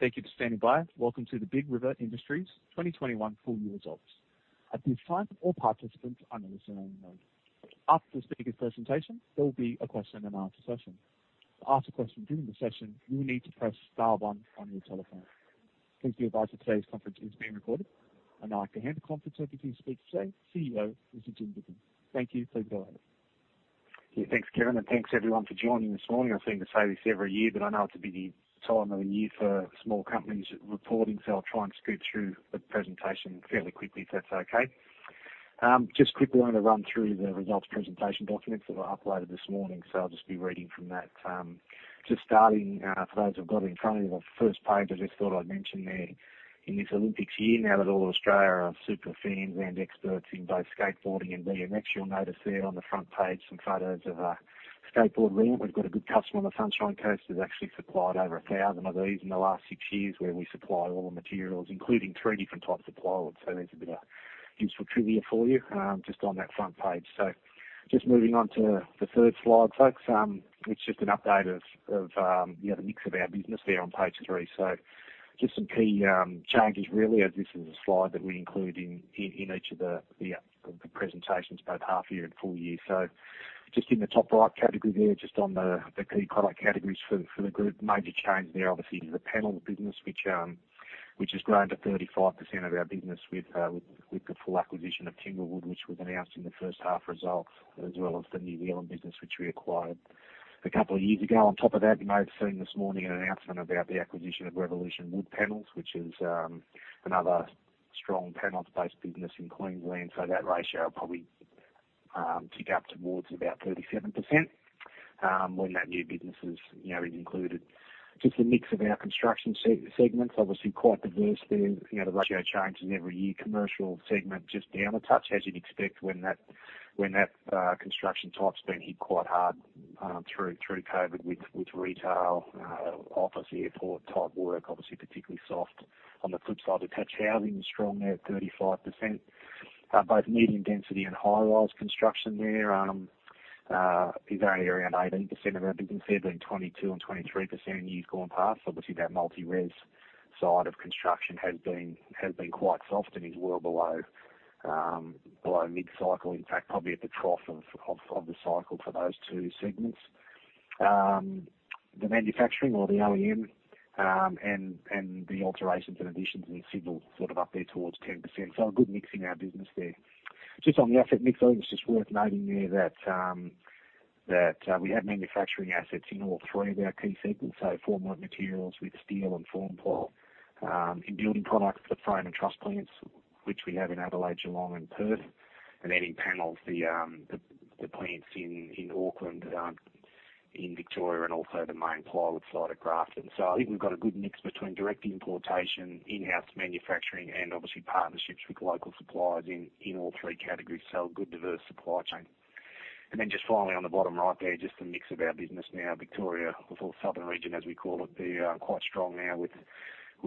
Thank you for standing by. Welcome to the Big River Industries 2021 Full Year Results. At this time, all participants are in a listen-only mode. After the speaker presentation, there will be a question and answer session. To ask a question during the session, you need to press star one on your telephone. Please be advised that today's conference is being recorded. Now I can hand the conference over to the speaker today, Chief Executive Officer, Mr. Jim Bindon. Thank you. Please go ahead. Yeah, thanks, Kevin, and thanks everyone for joining this morning. I seem to say this every year, I know it's a busy time of the year for small companies reporting, I'll try and scoot through the presentation fairly quickly, if that's okay. Just quickly want to run through the results presentation documents that I uploaded this morning, I'll just be reading from that. Just starting, for those who've got it in front of you, the first page I just thought I'd mention there, in this Olympics year, now that all Australia are super fans and experts in both skateboarding and BMX, you'll notice there on the front page some photos of a skateboard ramp. We've got a good customer on the Sunshine Coast who's actually supplied over 1,000 of these in the last six years, where we supply all the materials, including three different types of plywood. There's a bit of useful trivia for you just on that front page. Just moving on to the third slide, folks. It's just an update of the mix of our business there on page three. Just some key changes really, as this is a slide that we include in each of the presentations, both half year and full year. Just in the top right category there, just on the key product categories for the group, major change there obviously is the panel business, which has grown to 35% of our business with the full acquisition of Timberwood, which was announced in the first half results, as well as the New Zealand business, which we acquired a couple of years ago. On top of that, you may have seen this morning an announcement about the acquisition of Revolution Wood Panels, which is another strong panels-based business in Queensland. That ratio will probably tick up towards about 37% when that new business is included. Just the mix of our construction segments, obviously quite diverse there. The ratio changes every year. Commercial segment just down a touch, as you'd expect when that construction type's been hit quite hard through COVID with retail, office, airport-type work obviously particularly soft. On the flip side, attach housing is strong there at 35%. Both medium density and high-rise construction there is only around 18% of our business there, been 22% and 23% years gone past. Obviously, that multi-res side of construction has been quite soft and is well below mid-cycle. In fact, probably at the trough of the cycle for those two segments. The manufacturing or the OEM, and the alterations and additions in single sort of up there towards 10%. A good mix in our business there. On the asset mix though, it's worth noting there that we have manufacturing assets in all three of our key segments, so formwork materials with steel and formply. In building products, the frame and truss plants, which we have in Adelaide, Geelong, and Perth. In panels, the plants in Auckland, in Victoria, and also the main plywood site at Grafton. I think we've got a good mix between direct importation, in-house manufacturing, and obviously partnerships with local suppliers in all three categories. A good diverse supply chain. Finally on the bottom right there, the mix of our business now. Victoria, or Southern region as we call it, they're quite strong now with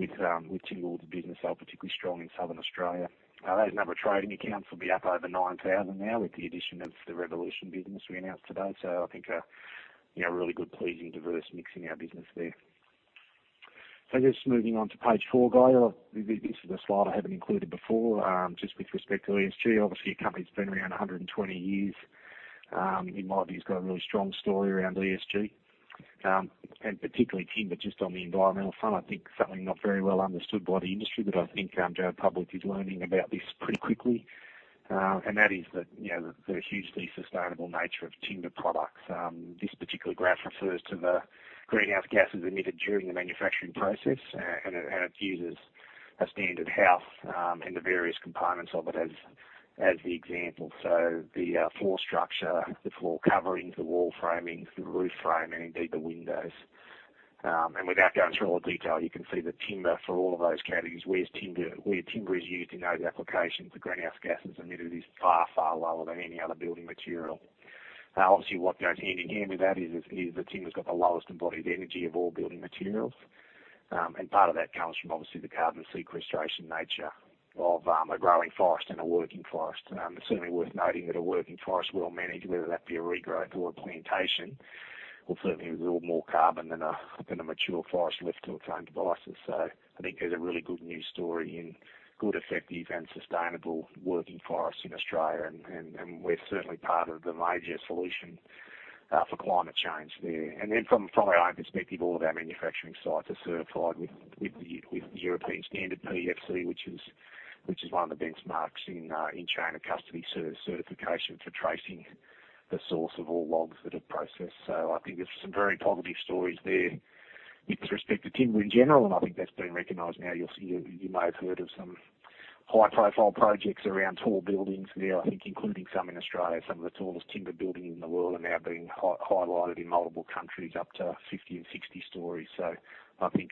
Timberwood's business, particularly strong in Southern Australia. Those number of trading accounts will be up over 9,000 now with the addition of the Revolution business we announced today. I think a really good, pleasing, diverse mix in our business there. Just moving on to page four, guys. This is a slide I haven't included before, just with respect to ESG. Obviously, a company that's been around 120 years in my view has got a really strong story around ESG. Particularly timber, just on the environmental front, I think something not very well understood by the industry, but I think the general public is learning about this pretty quickly. That is the hugely sustainable nature of timber products. This particular graph refers to the greenhouse gases emitted during the manufacturing process. It uses a standard house, and the various components of it as the example. The floor structure, the floor coverings, the wall framing, the roof framing, indeed the windows. Without going through all the detail, you can see that timber for all of those categories, where timber is used in those applications, the greenhouse gases emitted is far, far lower than any other building material. Obviously, what goes hand in hand with that is that timber's got the lowest embodied energy of all building materials. Part of that comes from obviously the carbon sequestration nature of a growing forest and a working forest. It's certainly worth noting that a working forest well managed, whether that be a regrowth or a plantation, will certainly hold more carbon than a mature forest left to its own devices. I think there's a really good news story in good, effective, and sustainable working forests in Australia, and we're certainly part of the major solution for climate change there. From my own perspective, all of our manufacturing sites are certified with the European Standard PEFC, which is one of the benchmarks in chain of custody certification for tracing the source of all logs that are processed. I think there's some very positive stories there with respect to timber in general, and I think that's been recognized now. You may have heard of some high-profile projects around tall buildings there, I think including some in Australia. Some of the tallest timber buildings in the world are now being highlighted in multiple countries, up to 50 stories and 60 stories. I think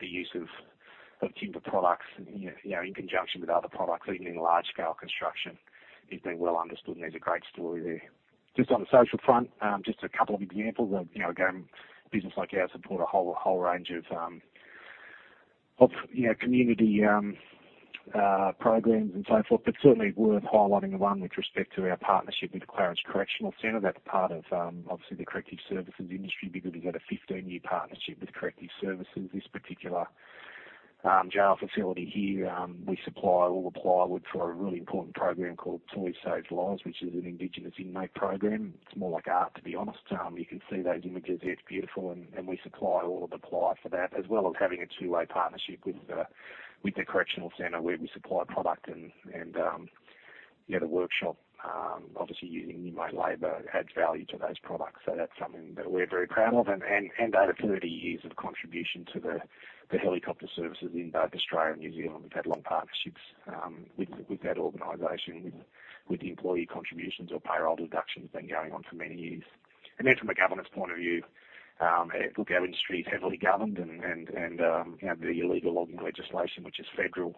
the use of timber products in conjunction with other products, even in large scale construction, is being well understood, and there's a great story there. Just on the social front, just a couple of examples of, again, businesses like ours support a whole range of community programs and so forth, but certainly worth highlighting the one with respect to our partnership with Clarence Correctional Centre. That's part of, obviously, the corrective services industry because we've got a 15-year partnership with Corrective Services. This particular jail facility here we supply all the plywood for a really important program called Toys Save Lives, which is an indigenous inmate program. It's more like art, to be honest. You can see those images there. It's beautiful, and we supply all of the ply for that, as well as having a two-way partnership with the Clarence Correctional Centre where we supply product and the other workshop, obviously using inmate labor adds value to those products. That's something that we're very proud of and over 30 years of contribution to the helicopter services in both Australia and New Zealand. We've had long partnerships with that organization, with the employee contributions or payroll deductions been going on for many years. Then from a governance point of view, look, our industry is heavily governed and the Illegal Logging legislation, which is federal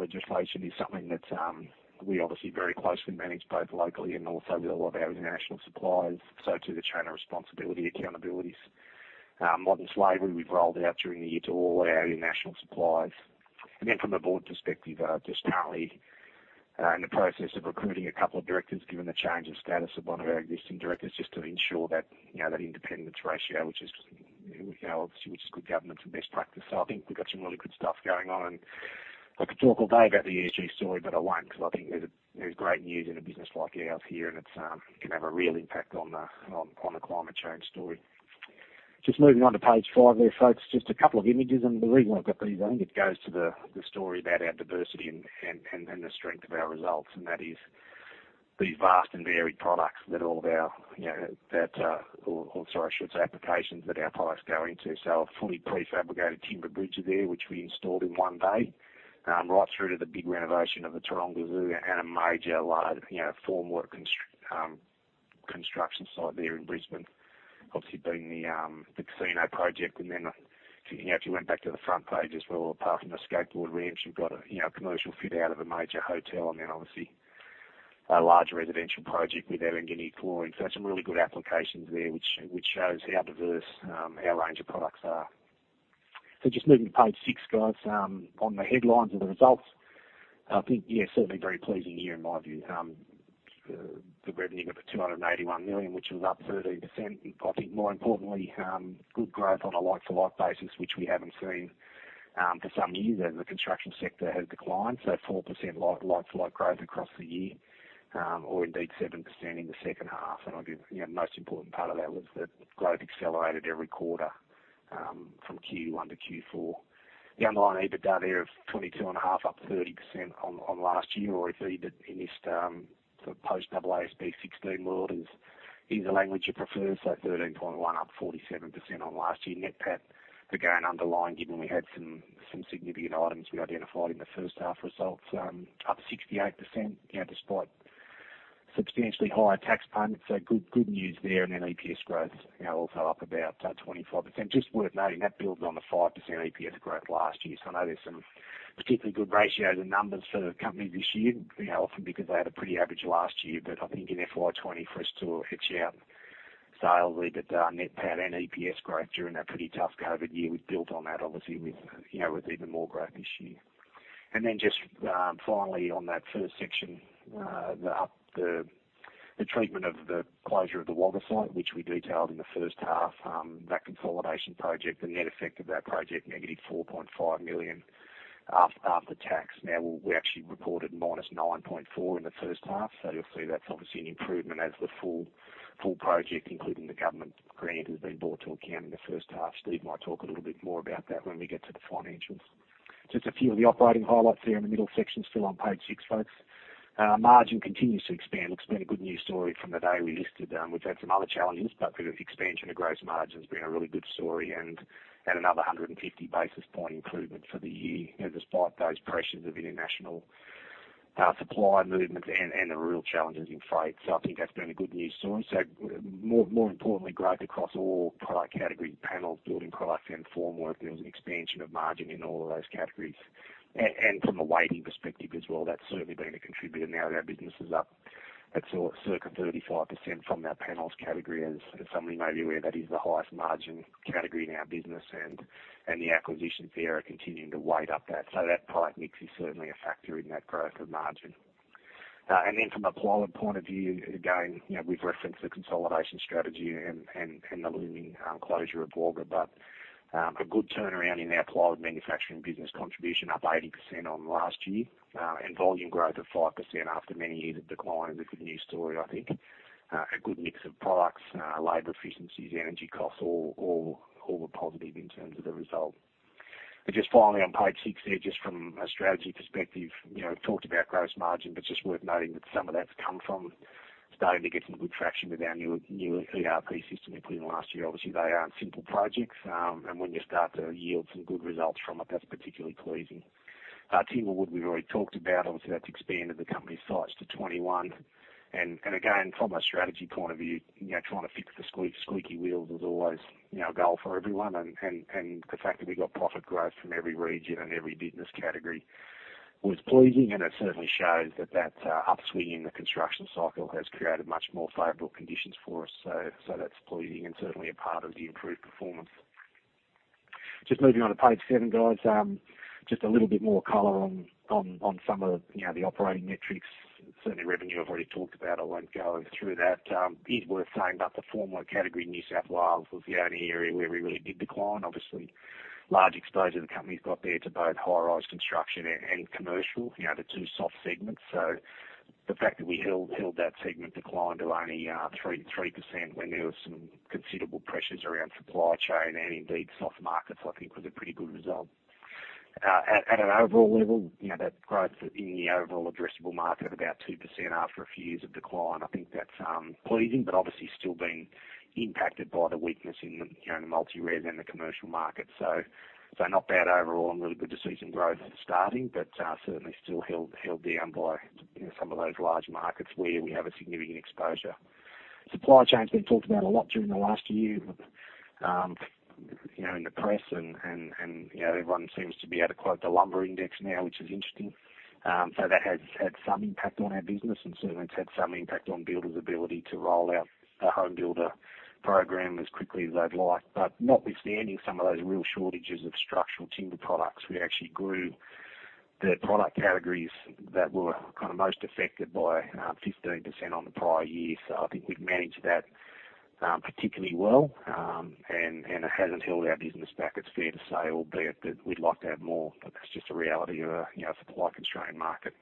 legislation, is something that we obviously very closely manage both locally and also with a lot of our international suppliers. Too the Chain of Responsibility accountabilities. Modern Slavery we've rolled out during the year to all our international suppliers. From a board perspective, currently in the process of recruiting a couple of directors, given the change of status of one of our existing directors, just to ensure that independence ratio, which is obviously good governance and best practice. I think we've got some really good stuff going on, and I could talk all day about the ESG story, but I won't because I think there's great news in a business like ours here, and it can have a real impact on the climate change story. Just moving on to page five there, folks. Just two images. The reason I've got these, I think it goes to the story about our diversity and the strength of our results, and that is these vast and varied products or applications that our products go into. A fully prefabricated timber bridge there, which we installed in one day, right through to the big renovation of the Taronga Zoo and a major large formwork construction site there in Brisbane, obviously being the casino project. If you went back to the front page as well, apart from the skateboard ramps, you've got a commercial fit-out of a major hotel and obviously a large residential project with Alangni. Some really good applications there, which shows how diverse our range of products are. Just moving to page six, guys. On the headlines of the results, I think, yeah, certainly very pleasing year in my view. The revenue up at 281 million, which was up 13%. I think more importantly, good growth on a like-for-like basis, which we haven't seen for some years as the construction sector has declined. 4% like-for-like growth across the year or indeed 7% in the second half. I'd be the most important part of that was that growth accelerated every quarter from Q1-Q4. The underlying EBITDA there of 22.5, up 30% on last year or if you did in this post-AASB 16 world is the language you prefer, so 13.1 up 47% on last year. NPAT, again, underlying, given we had some significant items we identified in the first half results up 68% despite substantially higher tax payments. Good news there. Then EPS growth also up about 25%. Just worth noting, that builds on the 5% EPS growth last year. I know there's some particularly good ratios and numbers for the company this year, often because they had a pretty average last year. I think in FY 2020 for us to actually out sales EBITDA, NPAT, and EPS growth during that pretty tough COVID year, we've built on that obviously with even more growth this year. Just finally on that first section, the treatment of the closure of the Wagga site, which we detailed in the first half, that consolidation project, the net effect of that project, negative 4.5 million after tax. We actually reported minus 9.4 in the first half, you'll see that's obviously an improvement as the full project, including the government grant, has been brought to account in the first half. Steve might talk a little bit more about that when we get to the financials. Just a few of the operating highlights there in the middle section. Still on page six, folks. Margin continues to expand. Look, it's been a good news story from the day we listed. We've had some other challenges, but the expansion of gross margin's been a really good story and another 150 basis point improvement for the year, despite those pressures of international supply movements and the real challenges in freight. I think that's been a good news story. More importantly, growth across all product category panels, building products, and formwork. There was an expansion of margin in all of those categories. From a weighting perspective as well, that's certainly been a contributor now that our business is up circa 35% from our panels category. As some of you may be aware, that is the highest margin category in our business and the acquisitions there are continuing to weight up that. That product mix is certainly a factor in that growth of margin. From a plywood point of view, again, we've referenced the consolidation strategy and the looming closure of Wagga, a good turnaround in our plywood manufacturing business contribution up 80% on last year and volume growth of 5% after many years of decline is a good news story, I think. A good mix of products, labor efficiencies, energy costs, all were positive in terms of the result. Just finally on page six there, just from a strategy perspective, talked about gross margin, just worth noting that some of that's come from starting to get some good traction with our new ERP system we put in last year. Obviously, they aren't simple projects, and when you start to yield some good results from it, that's particularly pleasing. Timberwood, we've already talked about. Obviously, that's expanded the company's sites to 21. Again, from a strategy point of view, trying to fix the squeaky wheels is always our goal for everyone. The fact that we got profit growth from every region and every business category was pleasing, and it certainly shows that that upswing in the construction cycle has created much more favorable conditions for us. That's pleasing and certainly a part of the improved performance. Just moving on to page seven, guys, just a little bit more color on some of the operating metrics. Certainly, revenue I've already talked about. I won't go through that. It is worth saying that the formwork category, New South Wales, was the only area where we really did decline. Obviously, large exposure the company's got there to both high-rise construction and commercial, the two soft segments. The fact that we held that segment decline to only 3% when there were some considerable pressures around supply chain and indeed soft markets, I think was a pretty good result. At an overall level, that growth in the overall addressable market of about 2% after a few years of decline, I think that's pleasing. Obviously still being impacted by the weakness in the multi-res and the commercial market. Not bad overall and really good to see some growth starting, but certainly still held down by some of those large markets where we have a significant exposure. Supply chain's been talked about a lot during the last year in the press, and everyone seems to be able to quote the lumber index now, which is interesting. That has had some impact on our business, and certainly it's had some impact on builders' ability to roll out a HomeBuilder program as quickly as they'd like. Notwithstanding some of those real shortages of structural timber products, we actually grew the product categories that were most affected by 15% on the prior year. I think we've managed that particularly well, and it hasn't held our business back, it's fair to say, albeit that we'd like to have more, but that's just a reality of a supply-constrained market.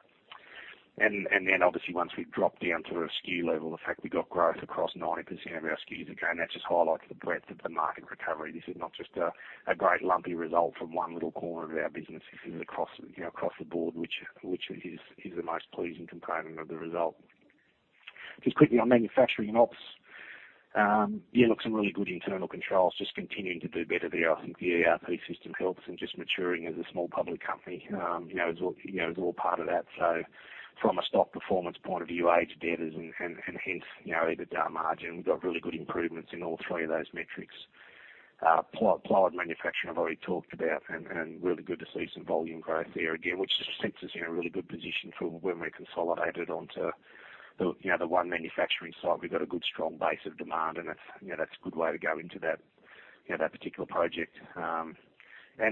Then obviously once we've dropped down to a SKU level, the fact we got growth across 90% of our SKUs, again, that just highlights the breadth of the market recovery. This is not just a great lumpy result from one little corner of our business. This is across the board, which is the most pleasing component of the result. Just quickly on manufacturing and ops. Some really good internal controls, just continuing to do better there. I think the ERP system helps and just maturing as a small public company is all part of that. From a stock performance point of view, aged debtors and hence, EBITDA margin, we've got really good improvements in all three of those metrics. Plywood manufacturing, I've already talked about, and really good to see some volume growth there again, which just sets us in a really good position for when we're consolidated onto the one manufacturing site. We've got a good strong base of demand, and that's a good way to go into that particular project.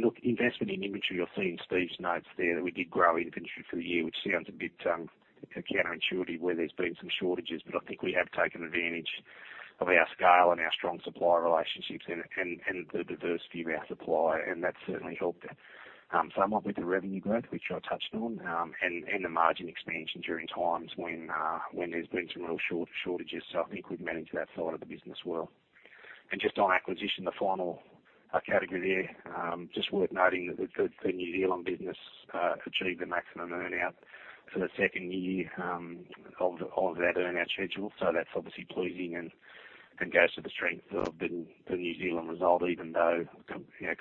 Look, investment in inventory, you'll see in Steve's notes there that we did grow inventory through the year, which sounds a bit counterintuitive where there's been some shortages. I think we have taken advantage of our scale and our strong supplier relationships and the diversity of our supply, and that's certainly helped. Along with the revenue growth, which I touched on, and the margin expansion during times when there's been some real shortages, I think we've managed that side of the business well. Just on acquisition, the final category there, just worth noting that we're good for the New Zealand business, achieved the maximum earn-out for the second year of that earn-out schedule. That's obviously pleasing and goes to the strength of the New Zealand result, even though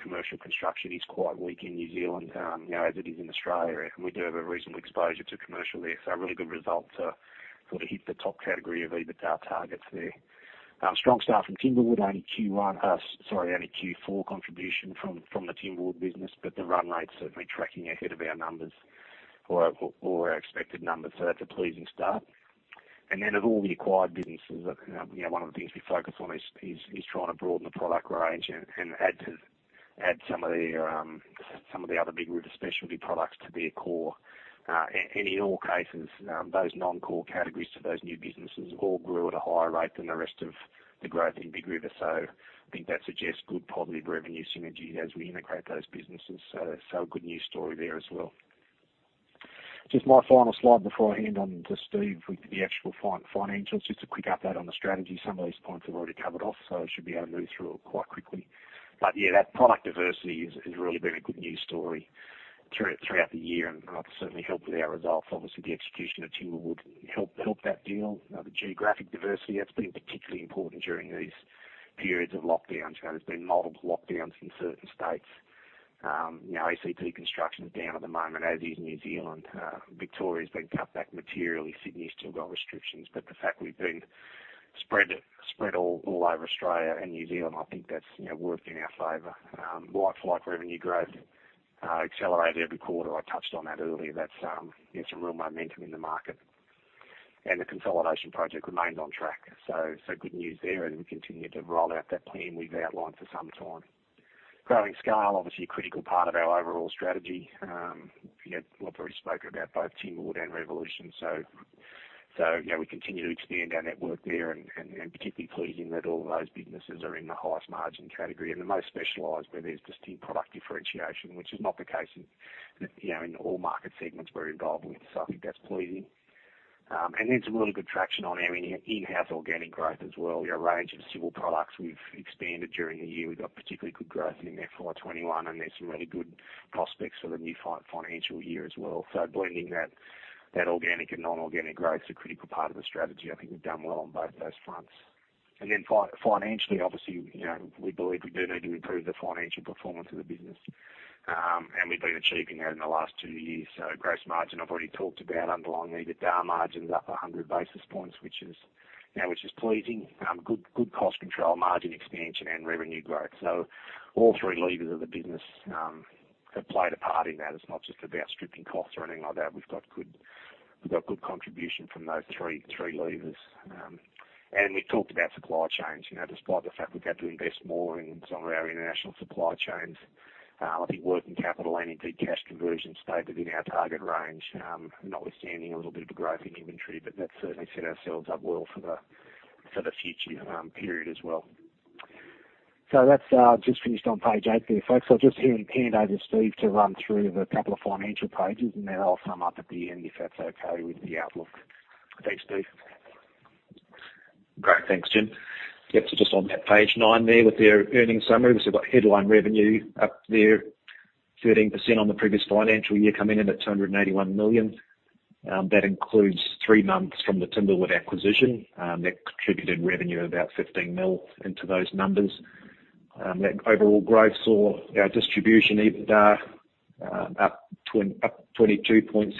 commercial construction is quite weak in New Zealand, as it is in Australia. We do have a reasonable exposure to commercial there, so a really good result to hit the top category of EBITDA targets there. Strong start from Timberwood, only Q4 contribution from the Timberwood business, but the run rate's certainly tracking ahead of our numbers or our expected numbers, so that's a pleasing start. Of all the acquired businesses, one of the things we focus on is trying to broaden the product range and add some of the other Big River specialty products to their core. In all cases, those non-core categories for those new businesses all grew at a higher rate than the rest of the growth in Big River. I think that suggests good positive revenue synergies as we integrate those businesses. A good news story there as well. Just my final slide before I hand on to Steve with the actual financials. Just a quick update on the strategy. Some of these points we've already covered off, so I should be able to move through it quite quickly. That product diversity has really been a good news story throughout the year, and that's certainly helped with our results. Obviously, the execution of Timberwood helped that deal. The geographic diversity, that's been particularly important during these periods of lockdowns. There's been multiple lockdowns in certain states. ACT construction is down at the moment, as is New Zealand. Victoria's been cut back materially. Sydney's still got restrictions. The fact we've been spread all over Australia and New Zealand, I think that's worked in our favor. Like-for-like revenue growth accelerated every quarter. I touched on that earlier. There's some real momentum in the market. The consolidation project remained on track. Good news there as we continue to roll out that plan we've outlined for some time. Growing scale, obviously a critical part of our overall strategy. We've already spoken about both Timberwood and Revolution. We continue to expand our network there, and particularly pleasing that all of those businesses are in the highest margin category and the most specialized where there's distinct product differentiation, which is not the case in all market segments we're involved with. I think that's pleasing. There's really good traction on our in-house organic growth as well. Our range of civil products we've expanded during the year. We've got particularly good growth in FY 2021, and there's some really good prospects for the new financial year as well. Blending that organic and non-organic growth is a critical part of the strategy. I think we've done well on both those fronts. Then financially, obviously, we believe we do need to improve the financial performance of the business. We've been achieving that in the last two years. Gross margin, I've already talked about. Underlying EBITDA margin's up 100 basis points, which is pleasing. Good cost control, margin expansion, and revenue growth. All three levers of the business have played a part in that. It's not just about stripping costs or anything like that. We've got good contribution from those three levers. We talked about supply chains. Despite the fact we've had to invest more in some of our international supply chains, I think working capital and indeed cash conversion stayed within our target range, notwithstanding a little bit of a growth in inventory, but that certainly set ourselves up well for the future period as well. That's just finished on page 8 there, folks. I'll just hand over to Steve to run through the couple of financial pages, and then I'll sum up at the end, if that's okay with the outlook. Thanks, Steve. Great. Thanks, Jim. Yep. Just on that page nine there with our earnings summary, we have obviously got headline revenue up there, 13% on the previous financial year, coming in at 281 million. That includes three months from the Timberwood acquisition. That contributed revenue of about 15 million into those numbers. That overall growth saw our distribution EBITDA up 22.7%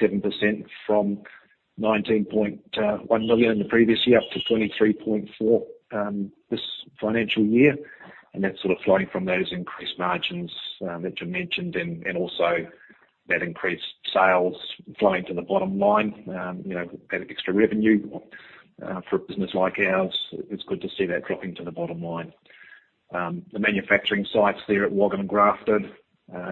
from 19.1 million the previous year, up to 23.4 million this financial year. That is flowing from those increased margins that Jim mentioned, and also that increased sales flowing to the bottom line, that extra revenue. For a business like ours, it is good to see that dropping to the bottom line. The manufacturing sites there at Wagga and Grafton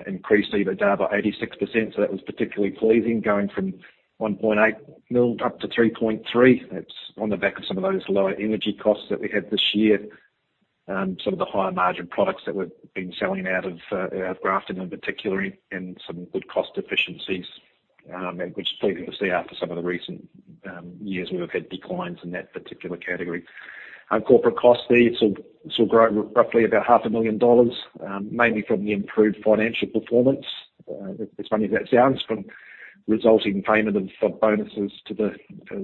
increased EBITDA by 86%. That was particularly pleasing, going from 1.8 million up to 3.3 million. That's on the back of some of those lower energy costs that we had this year, some of the higher-margin products that we've been selling out of Grafton in particular, and some good cost efficiencies, which is pleasing to see after some of the recent years we've had declines in that particular category. Our corporate costs there grew roughly about 500,000 dollars, mainly from the improved financial performance. As funny as that sounds, from resulting payment of bonuses to the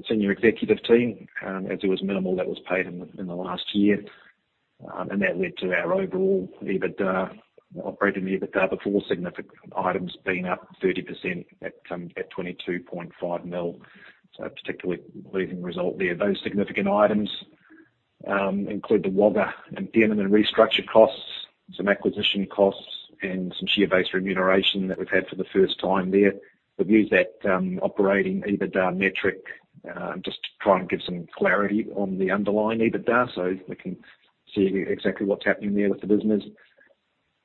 senior executive team, as there was minimal that was paid in the last year. That led to our overall operating EBITDA before significant items being up 30% at 22.5 million. A particularly pleasing result there. Those significant items include the Wagga impairment and restructure costs, some acquisition costs, and some share-based remuneration that we've had for the first time there. We've used that operating EBITDA metric just to try and give some clarity on the underlying EBITDA so we can see exactly what's happening there with the business.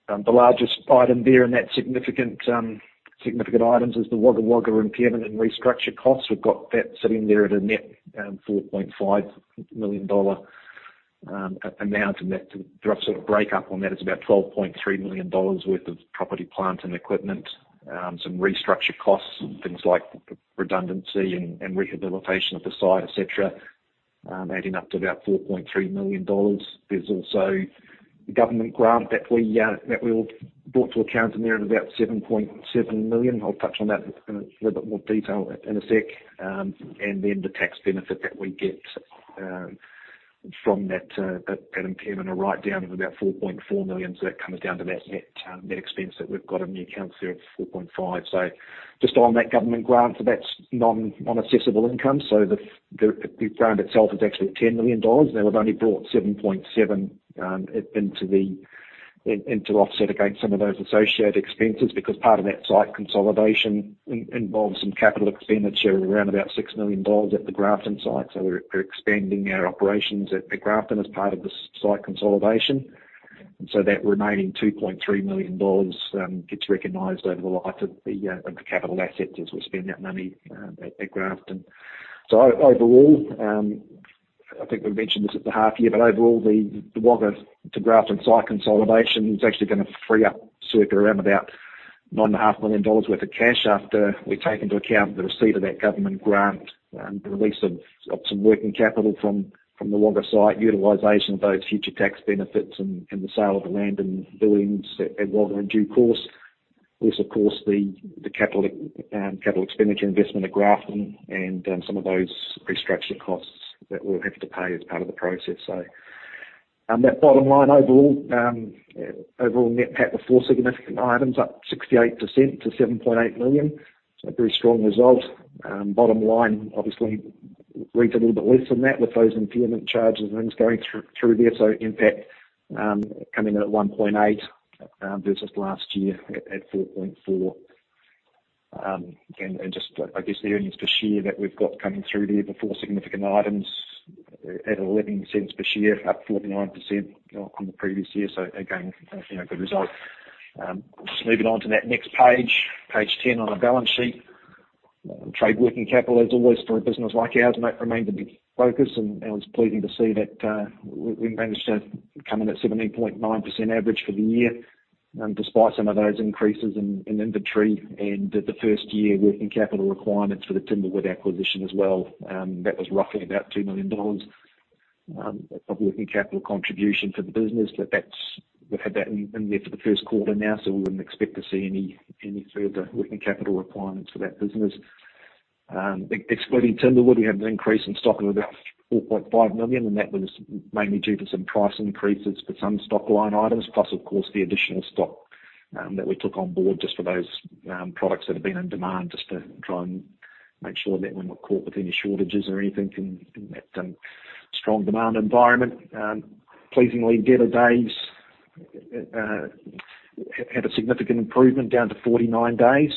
The largest item there in that significant items is the Wagga Wagga impairment and restructure costs. We've got that sitting there at a net 4.5 million dollar amount, and the rough breakup on that is about 12.3 million dollars worth of property, plant, and equipment. Some restructure costs, things like redundancy and rehabilitation of the site, et cetera, adding up to about 4.3 million dollars. There's also the government grant that we brought to account in there at about 7.7 million. I'll touch on that in a little bit more detail in a sec. Then the tax benefit that we get from that impairment, a write-down of about 4.4 million. That comes down to that net expense that we've got on the accounts there of 4.5 million. Just on that government grant, that's non-assessable income. The grant itself is actually 10 million dollars. Now we've only brought 7.7 million into offset against some of those associated expenses, because part of that site consolidation involves some capital expenditure of around about 6 million dollars at the Grafton site. We're expanding our operations at Grafton as part of the site consolidation. That remaining 2.3 million dollars gets recognized over the life of the capital asset as we spend that money at Grafton. Overall, I think we mentioned this at the half year, but overall, the Wagga to Grafton site consolidation is actually going to free up circa around about 9.5 million dollars worth of cash after we take into account the receipt of that government grant, the release of some working capital from the Wagga site, utilization of those future tax benefits, and the sale of the land and buildings at Wagga in due course. Plus, of course, the capital expenditure investment at Grafton and some of those restructure costs that we'll have to pay as part of the process. On that bottom line overall, NPAT before significant items up 68% to 7.8 million. A very strong result. Bottom line, obviously reads a little bit less than that with those impairment charges and things going through there. NPAT coming in at 1.8 million versus last year at 4.4 million. The earnings per share that we've got coming through there before significant items at 0.11 per share, up 49% on the previous year. Again, a good result. Moving on to that next page 10 on the balance sheet. Trade working capital, as always for a business like ours, and that remained a big focus, and it was pleasing to see that we managed to come in at 17.9% average for the year despite some of those increases in inventory and the first-year working capital requirements for the Timberwood acquisition as well. That was roughly about 2 million dollars of working capital contribution for the business. We've had that in there for the first quarter now. We wouldn't expect to see any further working capital requirements for that business. Excluding Timberwood, we have an increase in stock of about 4.5 million. That was mainly due to some price increases for some stock line items, plus of course the additional stock that we took on board just for those products that have been in demand, just to try and make sure that we're not caught with any shortages or anything in that strong demand environment. Pleasingly, debtor days had a significant improvement down to 49 days.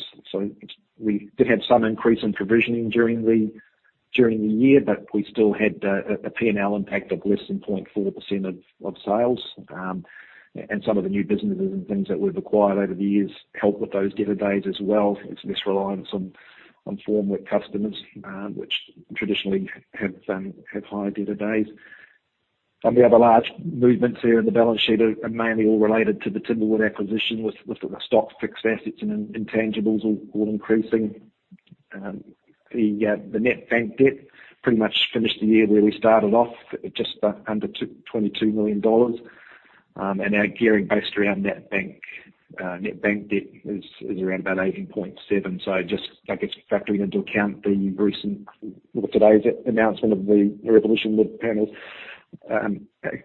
We did have some increase in provisioning during the year. We still had a P&L impact of less than 0.4% of sales. Some of the new businesses and things that we've acquired over the years help with those debtor days as well. It's less reliance on Formwork customers, which traditionally have higher debtor days. The other large movements here in the balance sheet are mainly all related to the Timberwood acquisition with the stock fixed assets and intangibles all increasing. The net bank debt pretty much finished the year where we started off at just under 22 million dollars. Our gearing based around net bank debt is around about 18.7%. Just, I guess factoring into account the recent, well, today's announcement of the Revolution Wood Panels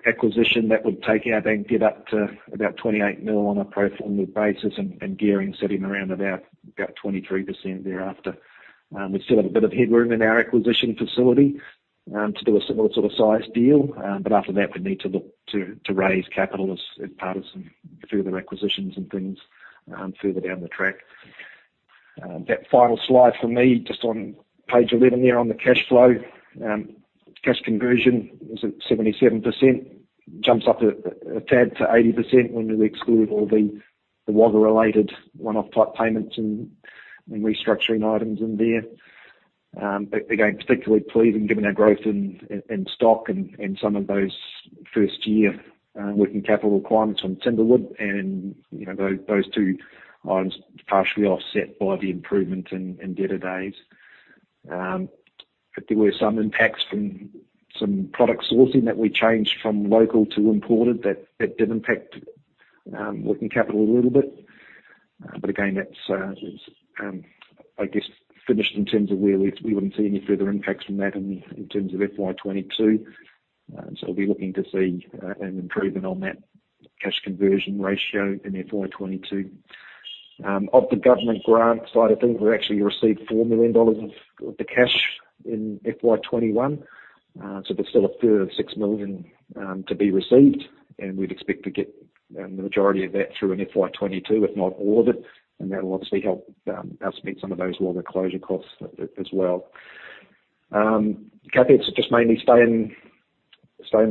acquisition that would take our bank debt up to about 28 million on a pro forma basis and gearing sitting around about 23% thereafter. We still have a bit of headroom in our acquisition facility to do a similar sort of size deal. After that, we'd need to look to raise capital as part of some further acquisitions and things further down the track. That final slide from me, just on page 11 there on the cash flow. Cash conversion was at 77%, jumps up a tad to 80% when we exclude all the Wagga-related one-off type payments and restructuring items in there. Again, particularly pleasing given our growth in stock and some of those first-year working capital requirements on Timberwood and those two items partially offset by the improvement in debtor days. There were some impacts from some product sourcing that we changed from local to imported that did impact working capital a little bit. Again, that was, I guess, finished in terms of where we wouldn't see any further impacts from that in terms of FY 2022. We'll be looking to see an improvement on that cash conversion ratio in FY 2022. Of the government grant side of things, we actually received 4 million dollars of the cash in FY 2021. There's still a further 6 million to be received, and we'd expect to get the majority of that through in FY 2022, if not all of it, and that will obviously help us meet some of those Wagga closure costs as well. CapEx just mainly stay in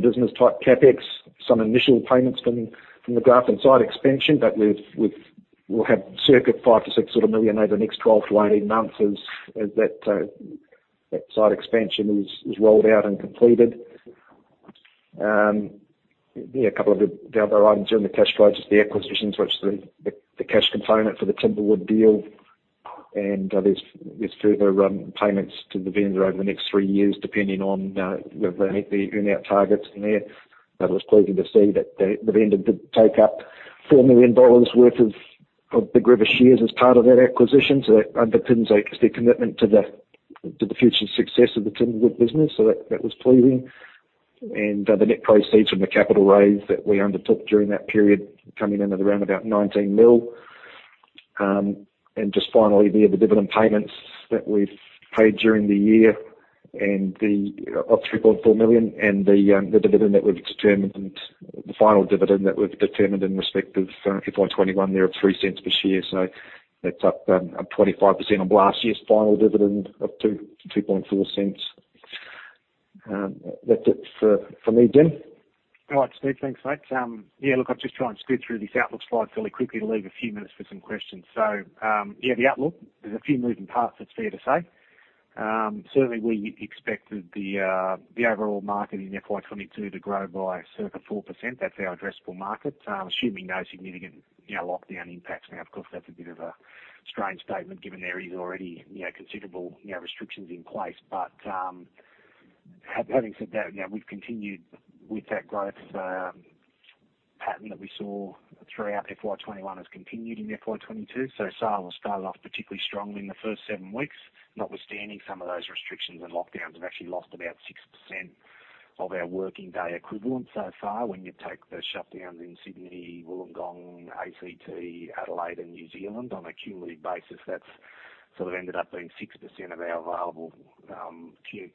business type CapEx, some initial payments from the Grafton site expansion, but we'll have circa 5 million-6 million over the next 12 months-18 months as that site expansion is rolled out and completed. Yeah, a couple of the other items in the cash flows, just the acquisitions, which the cash component for the Timberwood deal and there's further payments to the vendor over the next three years, depending on whether they meet the earn out targets in there. It was pleasing to see that the vendor did take up 4 million dollars worth of Big River shares as part of that acquisition. That underpins their commitment to the future success of the Timberwood business. That was pleasing. The net proceeds from the capital raise that we undertook during that period coming in at around about 19 million. Just finally, there, the dividend payments that we've paid during the year of 3.4 million and the dividend that we've determined, the final dividend that we've determined in respect of FY 2021 there of 0.03 per share. That's up 25% on last year's final dividend of 0.024. That's it for me, Jim. All right, Steve. Thanks, mate. Yeah, look, I'll just try and speed through this outlook slide fairly quickly to leave a few minutes for some questions. Yeah, the outlook, there's a few moving parts, it's fair to say. Certainly we expected the overall market in FY 2022 to grow by circa 4%. That's our addressable market, assuming no significant lockdown impacts. Of course, that's a bit of a strange statement given there is already considerable restrictions in place. Having said that, we've continued with that growth pattern that we saw throughout FY 2021 has continued in FY 2022. Sales have started off particularly strongly in the first 7 weeks, notwithstanding some of those restrictions and lockdowns have actually lost about 6% of our working day equivalent so far. When you take the shutdowns in Sydney, Wollongong, ACT, Adelaide, and New Zealand on a cumulative basis, that's sort of ended up being 6% of our available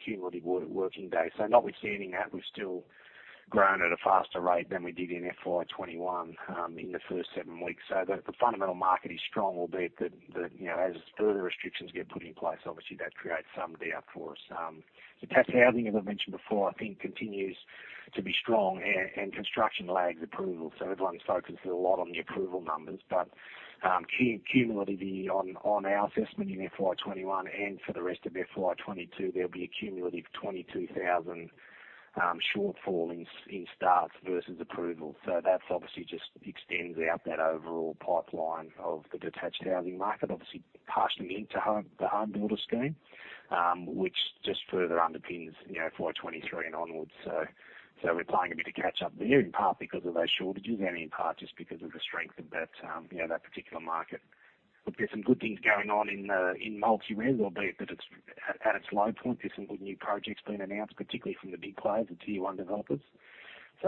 cumulative working days. Notwithstanding that, we've still grown at a faster rate than we did in FY 2021 in the first seven weeks. The fundamental market is strong, albeit that as further restrictions get put in place, obviously that creates some doubt for us. Detached housing, as I mentioned before, I think continues to be strong and construction lags approval, so everyone's focused a lot on the approval numbers. Cumulatively on our assessment in FY 2021 and for the rest of FY 2022, there'll be a cumulative 22,000 shortfall in starts versus approval. That's obviously just extends out that overall pipeline of the detached housing market, obviously partially into the HomeBuilder scheme, which just further underpins FY 2023 and onwards. We're playing a bit of catch up there, in part because of those shortages and in part just because of the strength of that particular market. There's some good things going on in multi-res, albeit that it's at its low point. There's some good new projects being announced, particularly from the big players, the Tier 1 developers.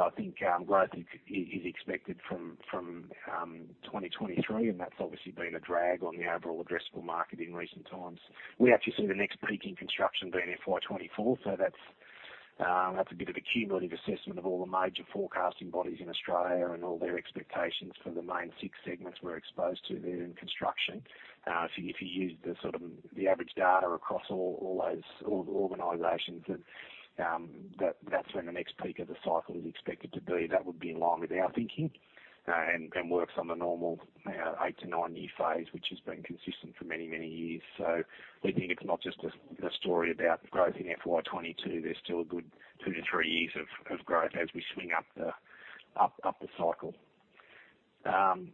I think growth is expected from 2023, and that's obviously been a drag on the overall addressable market in recent times. We actually see the next peak in construction being in FY 2024, that's a bit of a cumulative assessment of all the major forecasting bodies in Australia and all their expectations for the main six segments we're exposed to there in construction. If you use the average data across all those organizations, that's when the next peak of the cycle is expected to be. That would be in line with our thinking, and works on the normal eight to nine-year phase, which has been consistent for many, many years. We think it's not just a story about growth in FY 2022. There's still a good two to three years of growth as we swing up the cycle.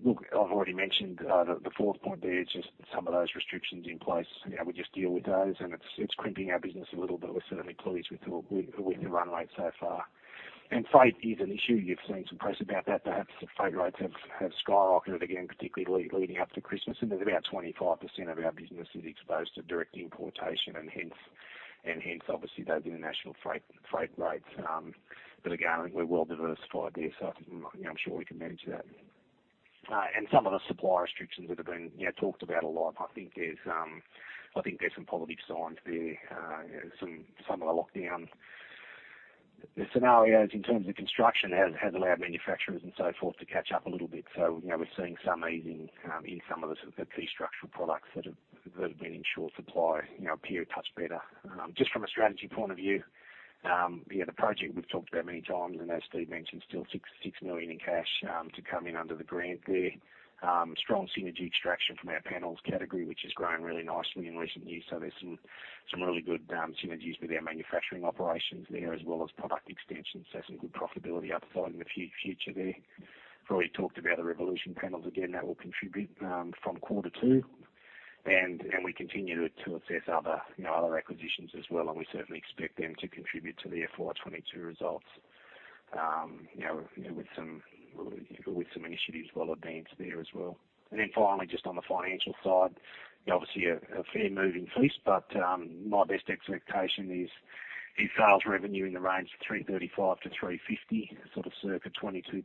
Look, I've already mentioned the fourth point there, just some of those restrictions in place. We just deal with those, and it's crimping our business a little, but we're certainly pleased with the run rate so far. Freight is an issue. You've seen some press about that, perhaps. The freight rates have skyrocketed again, particularly leading up to Christmas, and about 25% of our business is exposed to direct importation, and hence, obviously, those international freight rates that are going. We're well-diversified there, so I'm sure we can manage that. Some of the supply restrictions that have been talked about a lot, I think there's some positive signs there. Some of the lockdown scenarios in terms of construction has allowed manufacturers and so forth to catch up a little bit. We're seeing some easing in some of the key structural products that have been in short supply appear a touch better. Just from a strategy point of view, the project we've talked about many times, and as Steve mentioned, still 6 million in cash to come in under the grant there. Strong synergy extraction from our panels category, which has grown really nicely in recent years. There's some really good synergies with our manufacturing operations there, as well as product extension. Some good profitability upside in the future there. I've already talked about the Revolution panels. That will contribute from quarter two, and we continue to assess other acquisitions as well, and we certainly expect them to contribute to the FY 2022 results with some initiatives well advanced there as well. Finally, just on the financial side, obviously a fair moving feast, but my best expectation is sales revenue in the range of 335 million-350 million, sort of circa 22%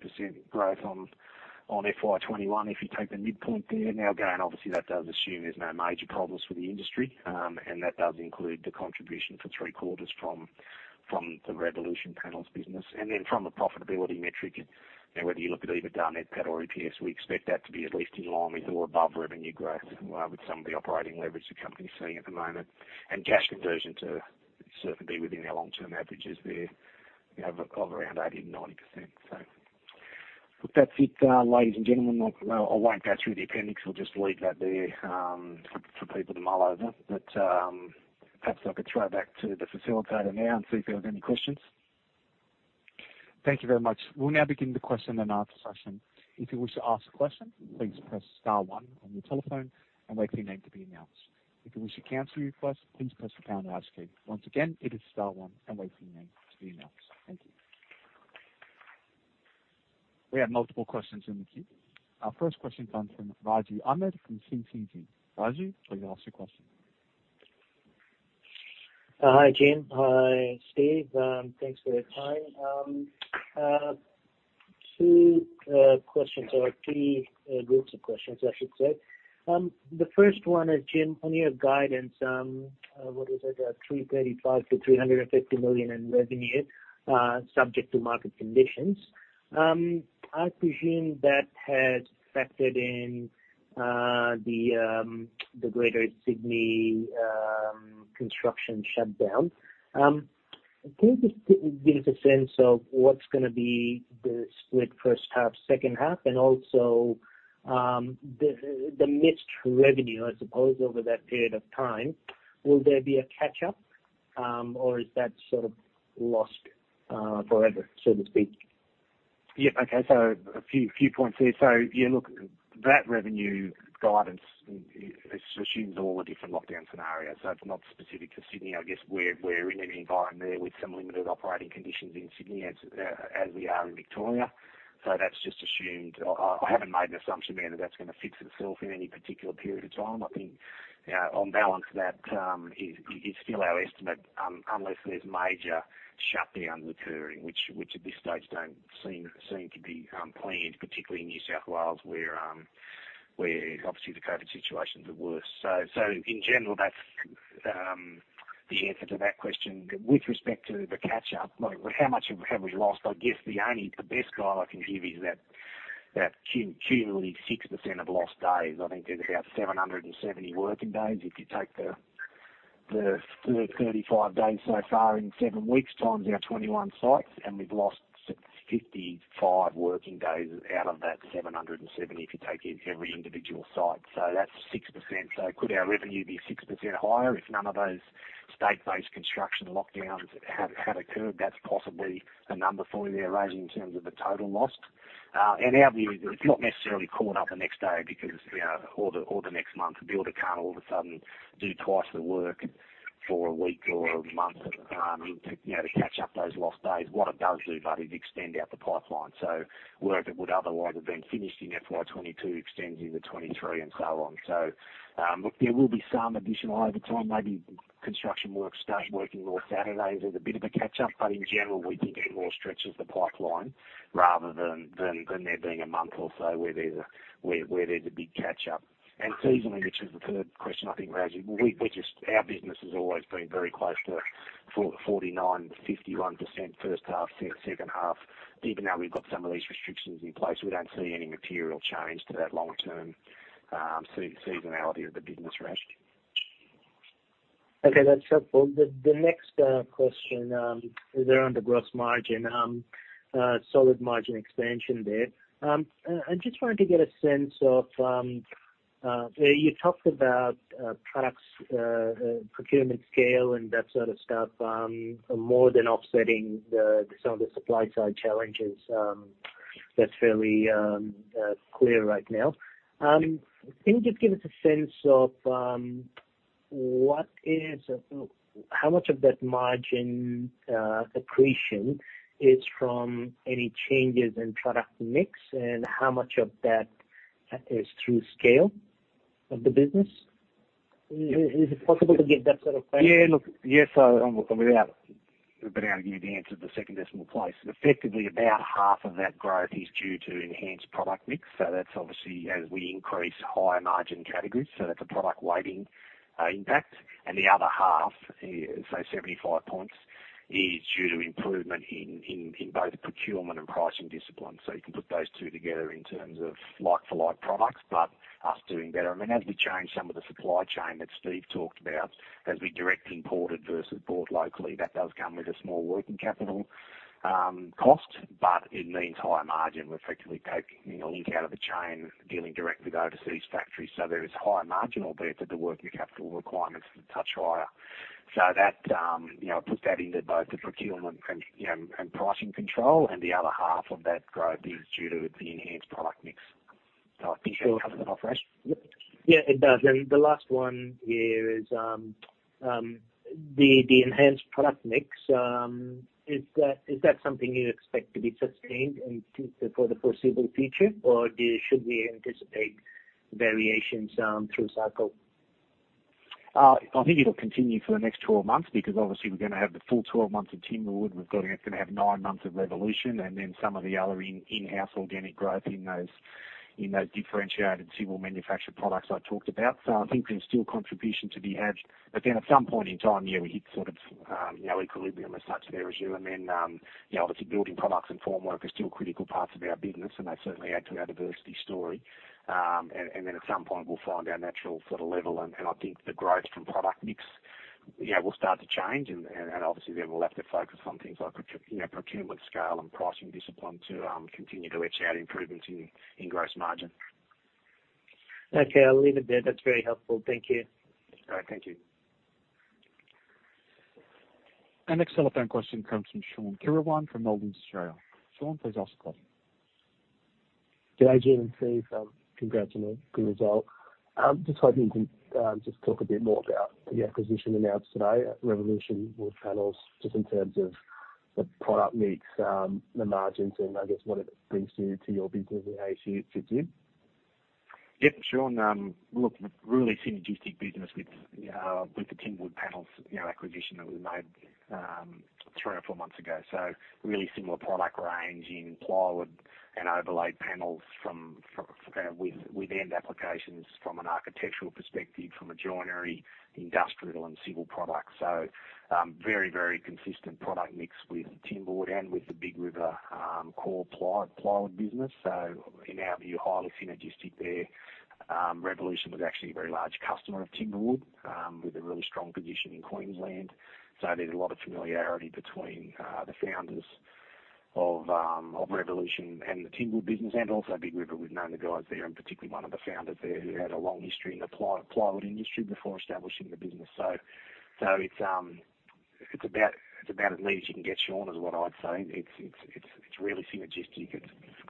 growth on FY 2021, if you take the midpoint there. Obviously that does assume there's no major problems for the industry, and that does include the contribution for three quarters from the Revolution Wood Panels business. From a profitability metric, whether you look at EBITDA, NPAT, or EPS, we expect that to be at least in line with or above revenue growth, with some of the operating leverage the company's seeing at the moment. Cash conversion to certainly be within our long-term averages there of around 80%-90%. Look, that's it, ladies and gentlemen. I won't go through the appendix. I'll just leave that there for people to mull over. Perhaps I could throw back to the facilitator now and see if there are any questions. Thank you very much. We will now begin the question and answer session. If you wish to ask a question, please press star one on your telephone and wait for your name to be announced. If you wish to cancel your request, please press the pound hashtag. Once again, it is star one and wait for your name to be announced. Thank you. We have multiple questions in the queue. Our first question comes from Raju Ahmed from CCZ. Raju, please ask your question. Hi, Jim. Hi, Steve. Thanks for your time. Two questions or three groups of questions, I should say. The first one is, Jim, on your guidance, what was it, 335 million-350 million in revenue, subject to market conditions? I presume that has factored in the Greater Sydney construction shutdown. Can you just give us a sense of what's going to be the split first half, second half, and also the missed revenue, I suppose, over that period of time? Will there be a catch-up or is that sort of lost forever, so to speak? Okay, a few points there. That revenue guidance assumes all the different lockdown scenarios. It's not specific to Sydney. I guess we're in an environment there with some limited operating conditions in Sydney as we are in Victoria. That's just assumed. I haven't made an assumption there that that's going to fix itself in any particular period of time. I think on balance, that is still our estimate, unless there's major shutdowns occurring, which at this stage don't seem to be planned, particularly in New South Wales, where obviously the COVID situation's at worse. In general, that's the answer to that question. With respect to the catch-up, like how much have we lost? I guess the best guide I can give is that cumulatively 6% of lost days. I think there's about 770 working days if you take the 35 days so far in seven weeks times our 21 sites, and we've lost 55 working days out of that 770 if you take every individual site. That's 6%. Could our revenue be 6% higher if none of those state-based construction lockdowns had occurred? That's possibly the number floating around in terms of the total lost. Our view is it's not necessarily caught up the next day or the next month. A builder can't all of a sudden do twice the work for a week or a month to catch up those lost days. What it does do, though, is extend out the pipeline. Work that would otherwise have been finished in FY 2022 extends into 2023 and so on. Look, there will be some additional overtime, maybe construction workers start working more Saturdays as a bit of a catch-up. In general, we think it more stretches the pipeline rather than there being a month or so where there's a big catch-up. Seasonally, which is the third question, I think, Raju, our business has always been very close to 49%, 51% first half, second half. Even now we've got some of these restrictions in place, we don't see any material change to that long-term seasonality of the business, Rash. Okay, that's helpful. The next question is around the gross margin, solid margin expansion there. I'm just trying to get a sense of— You talked about products, procurement scale, and that sort of stuff, more than offsetting some of the supply side challenges. That's fairly clear right now. Can you just give us a sense of how much of that margin accretion is from any changes in product mix and how much of that is through scale of the business? Is it possible to give that sort of breakdown? Yeah. Look, yes, without being able to give you the answer to the second decimal place. Effectively, about half of that growth is due to enhanced product mix. That's obviously as we increase higher margin categories, so that's a product weighting impact. The other half, so 75 points, is due to improvement in both procurement and pricing discipline. You can put those two together in terms of like-for-like products, but us doing better. As we change some of the supply chain that Steve talked about, as we direct imported versus bought locally, that does come with a small working capital cost, but it means higher margin. We effectively take a link out of the chain dealing direct with overseas factories. There is higher margin there, but the working capital requirements are a touch higher. Put that into both the procurement and pricing control, and the other half of that growth is due to the enhanced product mix. Does that cover that off, Raju? Yeah, it does. The last one here is the enhanced product mix. Is that something you expect to be sustained for the foreseeable future, or should we anticipate variations through cycle? I think it'll continue for the next 12 months because obviously we're going to have the full 12 months of Timberwood. We're going to have nine months of Revolution and then some of the other in-house organic growth in those differentiated civil manufactured products I talked about. I think there's still contribution to be had. At some point in time, yeah, we hit sort of equilibrium as such there, Raju, and then obviously building products and formwork are still critical parts of our business, and they certainly add to our diversity story. At some point, we'll find our natural level, and I think the growth from product mix will start to change, and obviously then we'll have to focus on things like procurement scale and pricing discipline to continue to edge out improvements in gross margin. Okay, I'll leave it there. That's very helpful. Thank you. All right. Thank you. Our next telephone question comes from Sean Kirwan from Goldman Sachs. Sean, please ask the question. Good day, Jim Bindon and Steve Parks. Congrats on a good result. Just hoping you can just talk a bit more about the acquisition announced today at Revolution Wood Panels, just in terms of the product mix, the margins, and I guess what it brings to your business and how it fits in. Yep, Sean. Look, really synergistic business with the Timberwood panels acquisition that we made three or four months ago. Really similar product range in plywood and overlaid panels with end applications from an architectural perspective, from a joinery, industrial, and civil product. Very consistent product mix with Timberwood and with the Big River core plywood business. In our view, highly synergistic there. Revolution was actually a very large customer of Timberwood with a really strong position in Queensland. There's a lot of familiarity between the founders of Revolution and the Timberwood business, and also Big River. We've known the guys there, and particularly one of the founders there who had a long history in the plywood industry before establishing the business. It's about as lean as you can get, Sean, is what I'd say. It's really synergistic. It's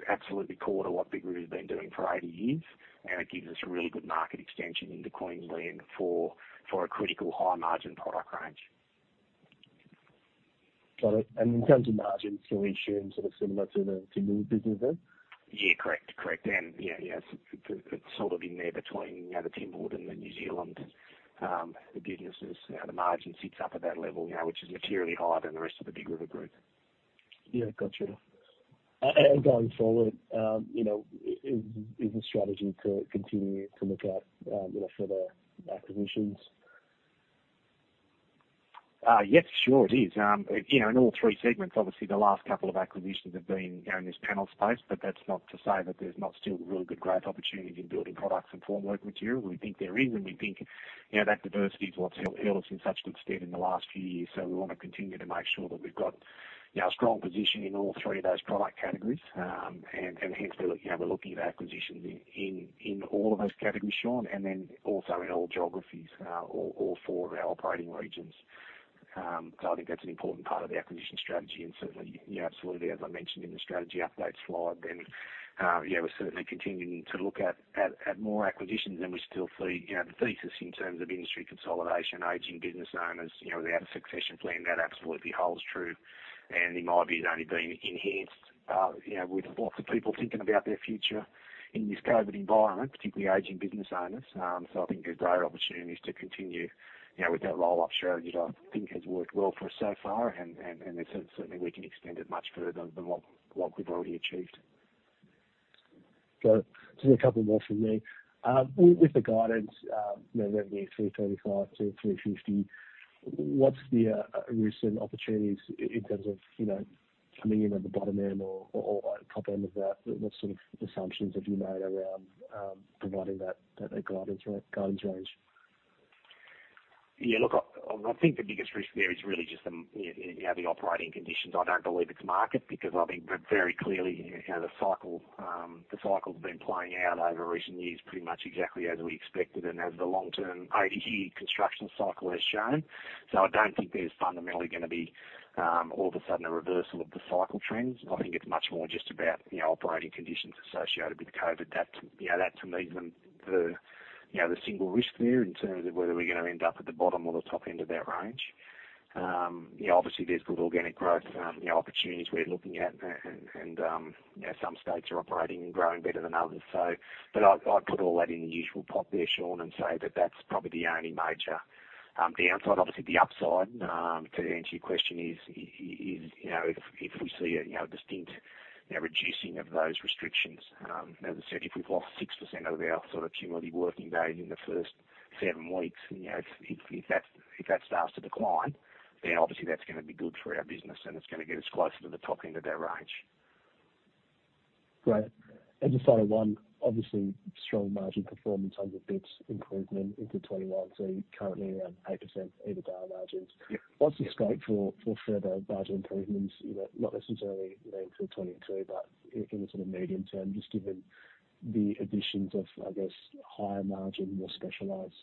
absolutely core to what Big River's been doing for 80 years, and it gives us really good market extension into Queensland for a critical high-margin product range. Got it. In terms of margins, still we assume similar to the Timberwood business then? Yeah, correct. It's sort of in there between the Timberwood and the New Zealand businesses. The margin sits up at that level, which is materially higher than the rest of the Big River group. Yeah, got you. Going forward, is the strategy to continue to look at further acquisitions? Yes, sure it is. In all three segments, obviously the last couple of acquisitions have been in this panels space, but that's not to say that there's not still really good growth opportunities in building products and form work material. We think there is, and we think that diversity is what's held us in such good stead in the last few years. We want to continue to make sure that we've got a strong position in all three of those product categories. Hence, we're looking at acquisitions in all of those categories, Sean, and then also in all geographies all four of our operating regions. I think that's an important part of the acquisition strategy, and certainly, absolutely, as I mentioned in the strategy updates slide then, we're certainly continuing to look at more acquisitions, and we still see the thesis in terms of industry consolidation, aging business owners, without a succession plan. That absolutely holds true, and in my view, has only been enhanced with lots of people thinking about their future in this COVID environment, particularly aging business owners. I think there's great opportunities to continue with that roll-up strategy that I think has worked well for us so far, and certainly we can extend it much further than what we've already achieved. Just a couple more from me. With the guidance, that would be 335 million-350 million, what is the recent opportunities in terms of coming in at the bottom end or top end of that? What sort of assumptions have you made around providing that guidance range? Yeah, look, I think the biggest risk there is really just the operating conditions. I don't believe it's market, because I think very clearly, the cycle's been playing out over recent years pretty much exactly as we expected and as the long-term 80-year construction cycle has shown. I don't think there's fundamentally going to be all of a sudden a reversal of the cycle trends. I think it's much more just about operating conditions associated with COVID. That, to me, is the single risk there in terms of whether we're going to end up at the bottom or the top end of that range. Obviously, there's good organic growth, opportunities we're looking at, and some states are operating and growing better than others. I'd put all that in the usual pot there, Sean, and say that that's probably the only major downside. Obviously, the upside, to answer your question is, if we see a distinct reducing of those restrictions. As I said, if we've lost 6% of our cumulative working days in the first seven weeks, if that starts to decline, then obviously that's going to be good for our business, and it's going to get us closer to the top end of that range. Great. As I say, one, obviously strong margin performance 100 basis points improvement into FY 2021, so currently around 8% EBITDA margins. Yeah. What's the scope for further margin improvements, not necessarily for 2022, but in the medium term, just given the additions of, I guess, higher margin, more specialized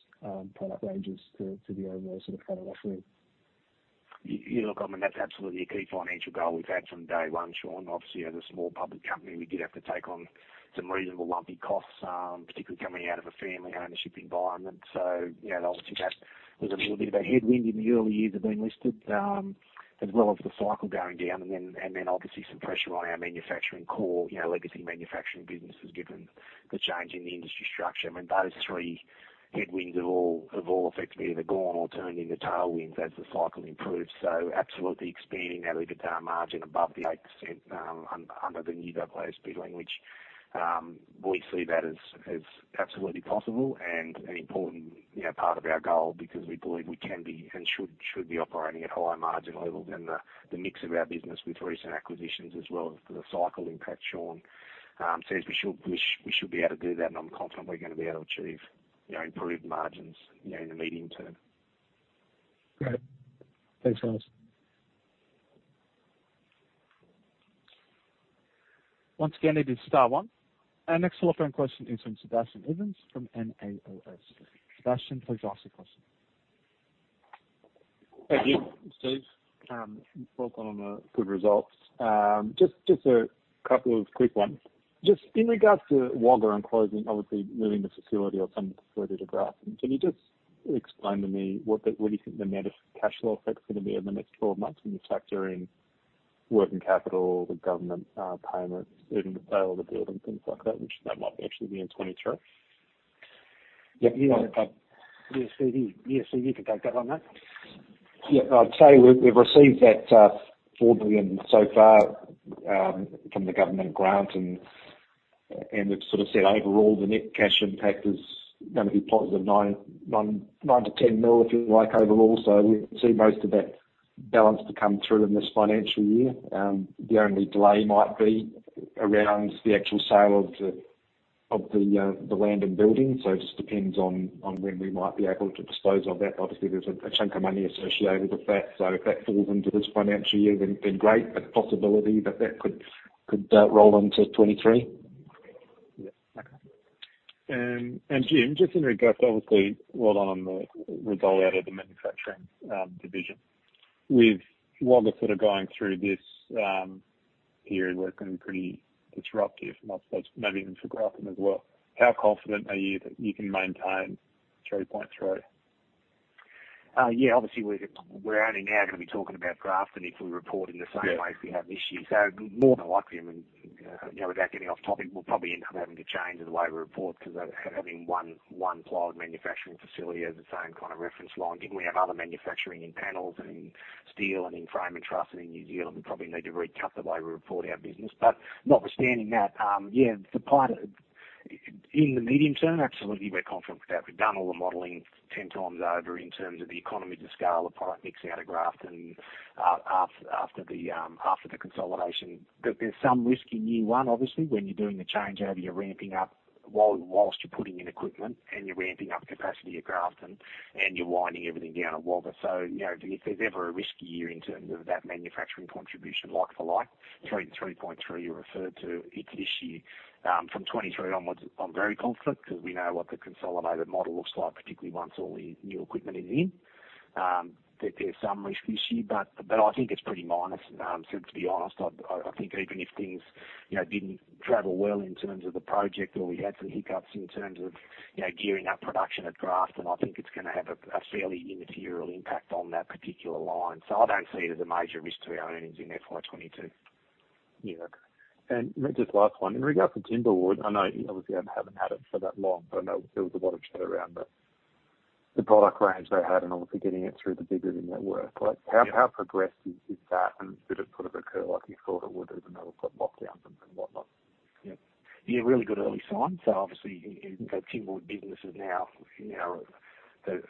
product ranges to the overall product offering? That's absolutely a key financial goal we've had from day one, Sean. Obviously, as a small public company, we did have to take on some reasonable lumpy costs, particularly coming out of a family ownership environment. Obviously that was a little bit of a headwind in the early years of being listed, as well as the cycle going down and then obviously some pressure on our manufacturing core, legacy manufacturing businesses, given the change in the industry structure. Those three headwinds have all effectively either gone or turned into tailwinds as the cycle improves. Absolutely expanding that EBITDA margin above the 8% under the new AASB language. We see that as absolutely possible and an important part of our goal because we believe we can be and should be operating at higher margin levels than the mix of our business with recent acquisitions as well as the cycle impact, Sean. Yes, we should be able to do that, and I'm confident we're going to be able to achieve improved margins in the medium term. Great. Thanks, guys. Once again, it is star one. Our next telephone question is from Sebastian Evans from NAOS. Sebastian, please ask your question. Thank you, Steve. Well done on the good results. Just a couple of quick ones. Just in regards to Wagga and closing, obviously moving the facility or some facility to Grafton, can you just explain to me what you think the net cash flow effect is going to be in the next 12 months when you factor in working capital, the government payments, even the sale of the building, things like that, which that might actually be in 2023? Yeah. Yeah, Stevie, if you could take that one, mate. Yeah, I'd say we've received that 4 million so far from the government grant, and we've said overall, the net cash impact is going to be positive 9 million-10 million, if you like, overall. We see most of that balance to come through in this financial year. The only delay might be around the actual sale of the land and buildings. It just depends on when we might be able to dispose of that. Obviously, there's a chunk of money associated with that. If that falls into this financial year, then great. Possibility that that could roll into 2023. Yeah. Okay. Jim, just in regards, obviously, well done on the result out of the manufacturing division. With Wagga going through this period where it's been pretty disruptive, I suppose maybe even for Grafton as well, how confident are you that you can maintain 3.3 million? Yeah, obviously, we're only now going to be talking about Grafton if we report in the same way as we have this year. More than likely, and without getting off topic, we'll probably end up having to change the way we report because having one plywood manufacturing facility as its own reference line, given we have other manufacturing in panels and in steel and in frame and truss and in New Zealand, we probably need to recut the way we report our business. Notwithstanding that, yeah, in the medium term, absolutely, we're confident with that. We've done all the modeling 10x over in terms of the economy to scale the product mix out of Grafton after the consolidation. There's some risk in year one, obviously, when you're doing the changeover, you're ramping up whilst you're putting in equipment and you're ramping up capacity at Grafton and you're winding everything down at Wagga. If there's ever a risk year in terms of that manufacturing contribution, like for like, 3.3 million you referred to, it's this year. From 2023 onwards, I'm very confident because we know what the consolidated model looks like, particularly once all the new equipment is in. There's some risk this year, but I think it's pretty minor, to be honest. I think even if things didn't travel well in terms of the project or we had some hiccups in terms of gearing up production at Grafton, I think it's going to have a fairly immaterial impact on that particular line. I don't see it as a major risk to our earnings in FY 2022. Yeah, okay. Just last one. In regard for Timberwood, I know obviously I haven't had it for that long, but I know there was a lot of chatter around the product range they had and obviously getting it through the Big River network. Like how progressive is that and did it occur like you thought it would even though we've got lockdowns and whatnot? Yeah, really good early signs. Obviously, you can go Timberwood business is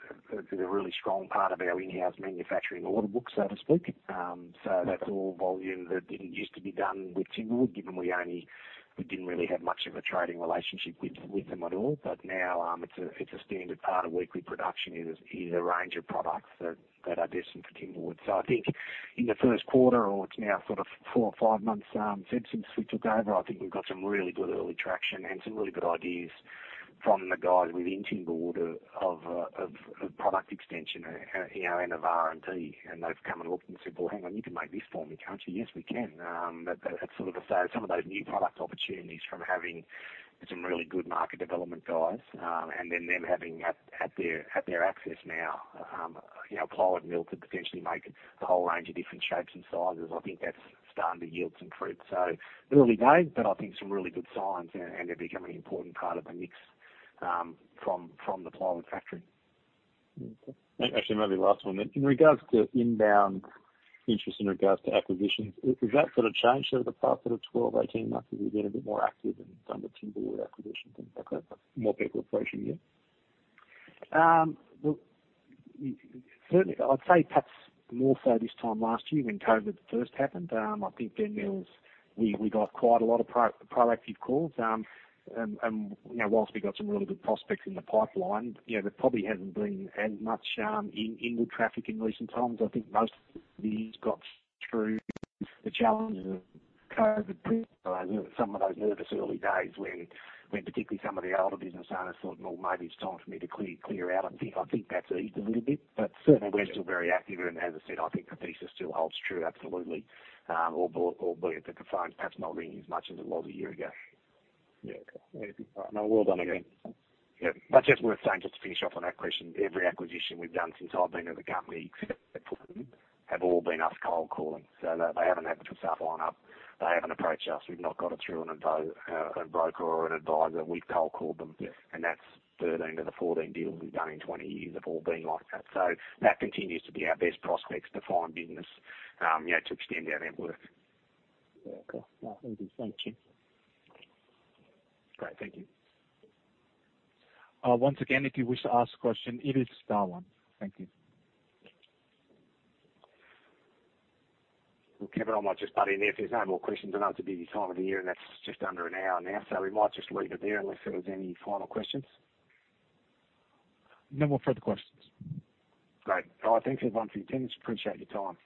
now a really strong part of our in-house manufacturing order book, so to speak. That's all volume that didn't used to be done with Timberwood, given we didn't really have much of a trading relationship with them at all. Now it's a standard part of weekly production is a range of products that are decent for Timberwood. I think in the first quarter, or it's now four or five months since we took over, I think we've got some really good early traction and some really good ideas from the guys within Timberwood of product extension and of R&D, and they've come and looked and said, "Well, hang on, you can make this for me, can't you?" "Yes, we can." Some of those new product opportunities from having some really good market development guys, and then them having at their access now a plywood mill to potentially make a whole range of different shapes and sizes. I think that's starting to yield some fruit. Early days, but I think some really good signs, and they're becoming an important part of the mix from the plywood factory. Okay. Actually, maybe last one then. In regards to inbound interest in regards to acquisitions, has that changed over the past 12 months, 18 months as we've been a bit more active and done the Timberwood acquisition, things like that? More people approaching you? Well, certainly, I'd say perhaps more so this time last year when COVID first happened. I think then, Mills, we got quite a lot of proactive calls. While we got some really good prospects in the pipeline, there probably hasn't been as much inward traffic in recent times. I think most of these got through the challenges of COVID some of those nervous early days when particularly some of the older business owners thought, "Well, maybe it's time for me to clear out." I think that's eased a little bit, but certainly we're still very active and as I said, I think the thesis still holds true absolutely. Albeit the phone's perhaps not ringing as much as it was a year ago. Yeah. Okay. No, well done again. Yeah. It's just worth saying just to finish off on that question, every acquisition we've done since I've been at the company, have all been us cold calling, so they haven't had to put stuff on up. They haven't approached us. We've not got it through a broker or an advisor. We've cold called them. Yeah That's 13 of the 14 deals we've done in 20 years have all been like that. That continues to be our best prospects to find business, to extend our network. Yeah. Okay. No. Thank you. Great. Thank you. Once again, if you wish to ask a question, it is star one. Thank you. Well, Kevin, I might just butt in here. If there's no more questions, I know it's a busy time of the year. That's just under 1 hour now. We might just leave it there unless there was any final questions. No more further questions. Great. Thank you, everyone, for your attendance. Appreciate your time.